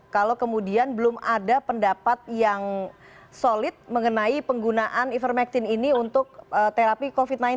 kalau kemudian belum ada pendapat yang solid mengenai penggunaan ivermectin ini untuk terapi covid sembilan belas